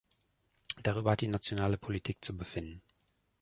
Darüber hat die nationale Politik zu befinden.